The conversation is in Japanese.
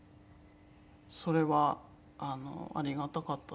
それはありがたかったですね。